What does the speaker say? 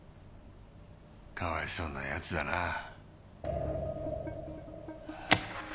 かわいそうなやつだな。